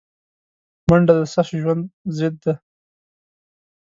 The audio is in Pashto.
منډه د سست ژوند ضد ده